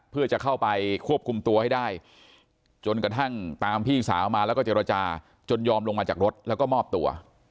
เพื่อจะเข้าไปควบคุมตัวให้ได้จนกระทั่งตามพี่สาวมาแล้วก็เจรจาจนยอมลงมาจากรถแล้วก็มอบตัว